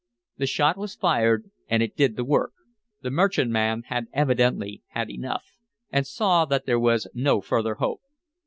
The shot was fired; and it did the work. The merchantman had evidently had enough, and saw that there was no further hope.